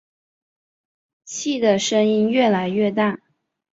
气的声音越来越大